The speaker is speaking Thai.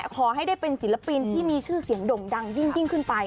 ขอให้ได้เป็นศิลปินที่มีชื่อเสียงด่งดังยิ่งขึ้นไป